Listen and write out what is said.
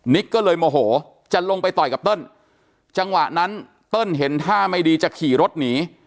ก็เลยโมโหจะลงไปต่อยกับเติ้ลจังหวะนั้นเติ้ลเห็นท่าไม่ดีจะขี่รถหนี